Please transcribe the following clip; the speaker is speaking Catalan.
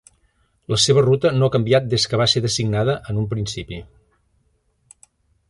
La seva ruta no ha canviat des que va ser designada en un principi.